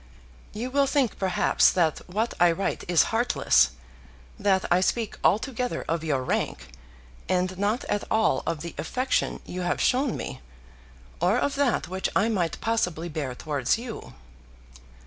You will think perhaps that what I write is heartless, that I speak altogether of your rank, and not at all of the affection you have shown me, or of that which I might possibly bear towards you.